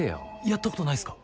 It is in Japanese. やったことないっすか？